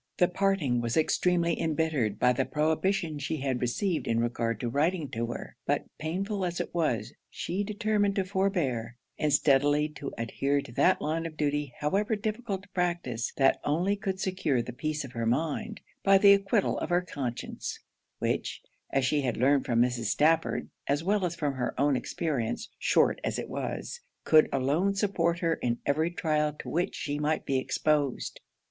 The parting was extremely embittered by the prohibition she had received in regard to writing to her. But painful as it was, she determined to forbear; and steadily to adhere to that line of duty, however difficult to practice, that only could secure the peace of her mind, by the acquittal of her conscience; which, as she had learned from Mrs. Stafford, as well as from her own experience, short as it was, could alone support her in every trial to which she might be exposed.